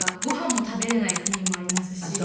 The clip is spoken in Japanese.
ご飯も食べられない国もありますし。